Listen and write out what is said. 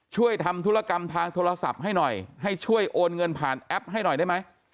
ช่วยทำธุรกรรมทางโทรศัพท์ให้หน่อยให้ช่วยโอนเงินผ่านแอปให้หน่อยได้ไหม